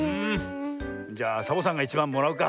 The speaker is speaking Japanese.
じゃあサボさんがいちばんもらうか。